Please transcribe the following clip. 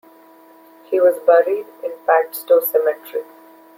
He was buried in Padstow Cemetery.